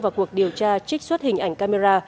vào cuộc điều tra trích xuất hình ảnh camera